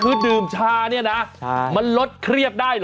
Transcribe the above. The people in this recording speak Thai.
คือดื่มชาเนี่ยนะมันลดเครียดได้เหรอ